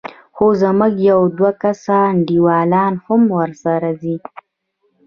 خو زموږ يو دوه کسه انډيوالان هم ورسره ځي.